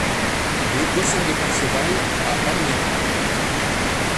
Rue Caussin De Perceval à Amiens